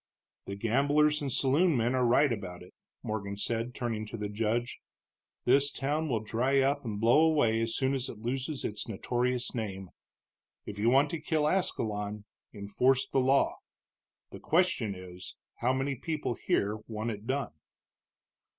"The gamblers and saloon men are right about it," Morgan said, turning to the judge; "this town will dry up and blow away as soon as it loses its notorious name. If you want to kill Ascalon, enforce the law. The question is, how many people here want it done?"